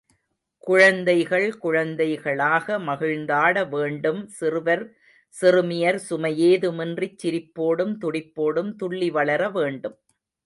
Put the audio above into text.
குழந்தைகள் குழந்தைகளாக மகிழ்ந்தாட வேண்டும், சிறுவர் சிறுமியர் சுமையேதுமின்றிச் சிரிப்போடும் துடிப்போடும் துள்ளி வளர வேண்டும்.